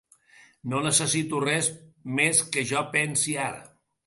No necessito res més que jo pensi ara.